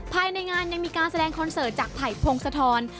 ภายในงานยังมีการแสดงคอนเสิร์ตจากถ่ายพลงสะทอน